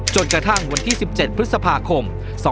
จนกระทั่งวันที่๑๗พฤษภาคม๒๕๖